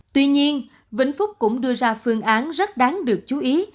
tuy nhiên vĩnh phúc cũng đưa ra phương án rất đáng được chú ý